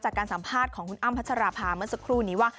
จากการสัมภาษณ์ของคุณอ้ำพรรคาพ้าว่า